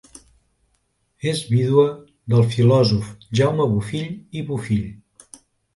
És vídua del filòsof Jaume Bofill i Bofill.